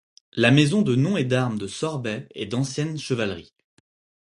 La maison de nom et d'armes de Sorbey est d'ancienne chevalerie.